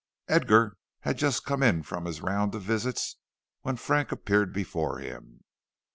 Edgar had just come in from his round of visits when Frank appeared before him.